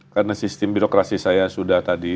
karena sistem birokrasi saya sudah tadi